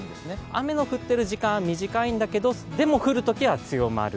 雨の降ってる時間は短いんだけど、でも降るときは強まる。